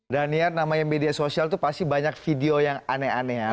daniel namanya media sosial itu pasti banyak video yang aneh aneh